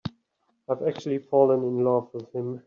I've actually fallen in love with him.